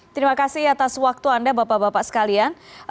terima kasih atas waktu anda bapak bapak sekalian